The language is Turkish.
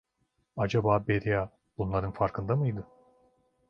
Acaba Beria bunların farkında mıydı?